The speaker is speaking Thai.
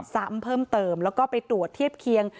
ซ้ำเพิ่มเติมแล้วก็ไปตรวจเทียบเคียง